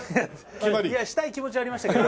決まり？したい気持ちはありましたけど。